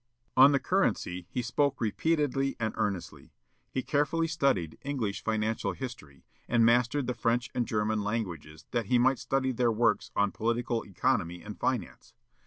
On the currency he spoke repeatedly and earnestly. He carefully studied English financial history, and mastered the French and German languages that he might study their works on political economy and finance.